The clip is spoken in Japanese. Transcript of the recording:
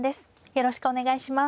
よろしくお願いします。